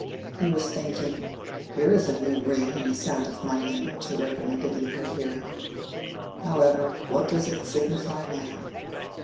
He was thinking "Here is a new ring in the sound of my name to recommend it in her hearing; however—what does it signify now?"